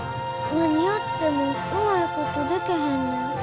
何やってもうまいことでけへんねん。